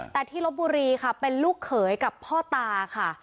แต่ที่ลบบุรีค่ะเป็นลูกเขยกับพ่อตาค่ะ